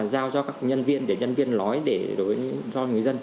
do cho các nhân viên để nhân viên nói để đối với cho người dân